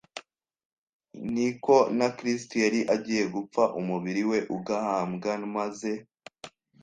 niko na Kristo yari agiye gupfa umubiri we ugahambwa ; maze